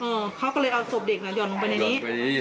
เออเขาก็เลยเอาศพเด็กหล่ำลงไปไหนนี่